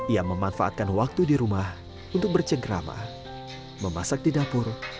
ia memanfaatkan waktu di rumah untuk bercengkrama memasak di dapur